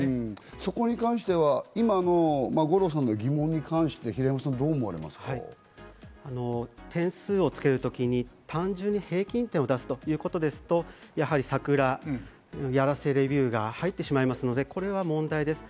そこに関しては今の五郎さんの疑問に関して、点数をつけるときに単純に平均点を出すということですと、やはりサクラ、ヤラセレビューが入ってしまいますので、これは問題です。